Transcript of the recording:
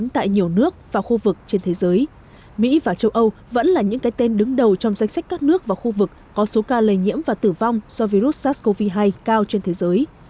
tại nhiều nước và khu vực trên thế giới mỹ và châu âu vẫn là những cái tên đứng đầu trong danh sách các nước và khu vực có số ca lây nhiễm và tử vong do virus sars cov hai cao trên thế giới